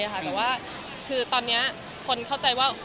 แต่ว่าคือตอนนี้คนเข้าใจว่า